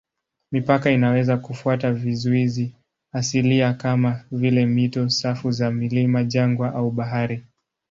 Mipaka inaweza kufuata vizuizi asilia kama vile mito, safu za milima, jangwa au bahari.